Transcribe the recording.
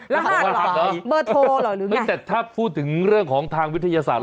รหัสหรอเบอร์โทรหรือไงแต่ถ้าพูดถึงเรื่องของทางวิทยาศาสตร์